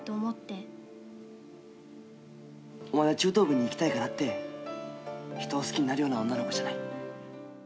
「お前は中等部に行きたいからって人を好きになるような女の子じゃない」